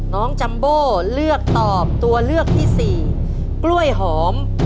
จัมโบเลือกตอบตัวเลือกที่สี่กล้วยหอม